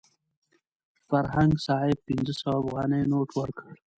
فرهنګ صاحب پنځه سوه افغانیو نوټ ورکړ.